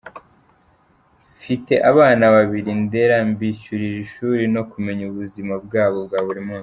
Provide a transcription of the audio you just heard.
Mfite abana babiri ndera, mbishyurira ishuri no kumenya ubuzima bwabo bwa buri munsi…”.